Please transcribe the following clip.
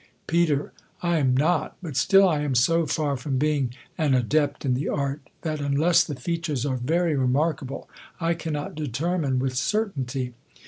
Pet, I am not ; but still I am so far from being an adept in the art, that, unless the features are very re markable, I cannot determine with certainty.